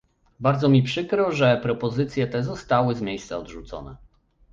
Bardzo mi przykro, że propozycje te zostały z miejsca odrzucone